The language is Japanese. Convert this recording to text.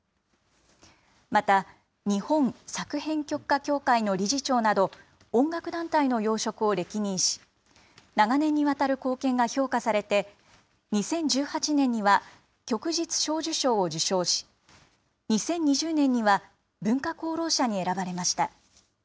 また、日本作編曲家協会の理事長など、音楽団体の要職を歴任し、長年にわたる貢献が評価されて、２０１８年には旭日小綬章を受章し、２０２０年には文化功労者に選ばれました。